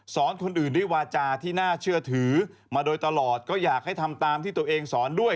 คนอื่นด้วยวาจาที่น่าเชื่อถือมาโดยตลอดก็อยากให้ทำตามที่ตัวเองสอนด้วย